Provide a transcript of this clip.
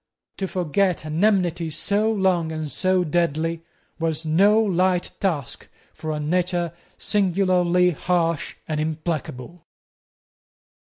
To forget an enmity so long and so deadly was no light task for a nature singularly harsh and implacable.